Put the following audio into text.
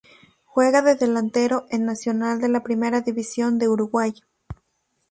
Juega de delantero en Nacional de la Primera División de Uruguay.